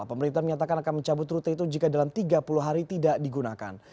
pemerintah menyatakan akan mencabut rute itu jika dalam tiga puluh hari tidak digunakan